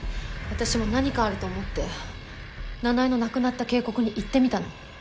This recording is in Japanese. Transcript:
私も何かあると思って奈々江の亡くなった渓谷に行ってみたの。